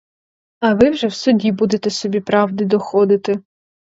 А ви вже в суді будете собі правди доходити.